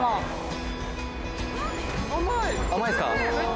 甘いですか。